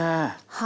はい。